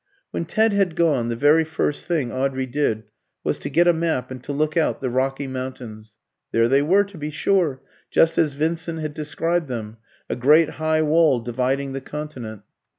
When Ted had gone, the very first thing Audrey did was to get a map and to look out the Rocky Mountains. There they were, to be sure, just as Vincent had described them, a great high wall dividing the continent.